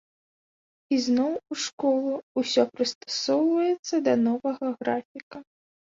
Ізноў у школу, усё прыстасоўваецца да новага графіка.